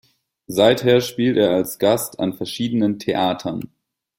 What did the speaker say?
Seither spielt er als Gast an verschiedenen Theatern.